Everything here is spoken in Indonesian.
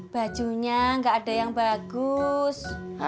bajunya nggak ada yang bagus